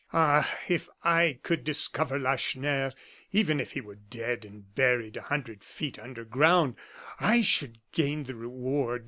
Ah! if I could discover Lacheneur; even if he were dead and buried a hundred feet under ground, I should gain the reward."